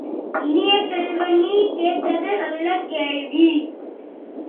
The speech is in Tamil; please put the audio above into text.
இனிய செல்வ, நீ கேட்டது நல்ல கேள்வி!